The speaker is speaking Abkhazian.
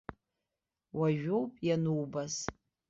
Уажәоуп ианубаз.